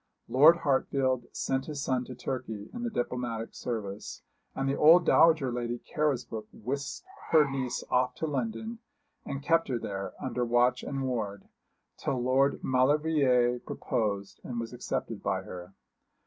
Lord Hartfield sent his son to Turkey in the diplomatic service; and the old dowager Lady Carrisbrook whisked her niece off to London, and kept her there, under watch and ward, till Lord Maulevrier proposed and was accepted by her.